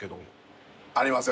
ありますよ。